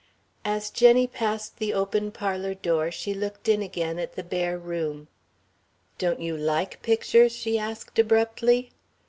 As Jenny passed the open parlour door, she looked in again at the bare room. "Don't you like pictures?" she asked abruptly.